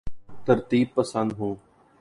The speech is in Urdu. ترتیب پسند ہوں